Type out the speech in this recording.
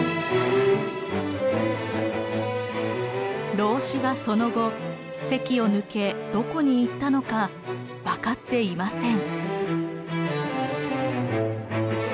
老子がその後関を抜けどこに行ったのか分かっていません。